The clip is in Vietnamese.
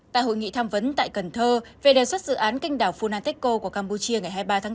tại hội nghị tham vấn tại cần thơ về đề xuất dự án canh đảo funanteko của campuchia ngày hai mươi ba tháng bốn